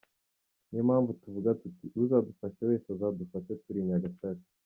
Ni yo mpamvu tuvuga tuti uzadufasha wese, azadufashe turi i Nyagatare.